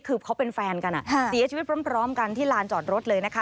คือเขาเป็นแฟนกันเสียชีวิตพร้อมกันที่ลานจอดรถเลยนะคะ